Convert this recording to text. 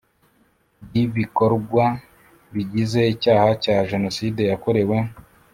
ry ibikorwa bigize icyaha cya jenoside yakorewe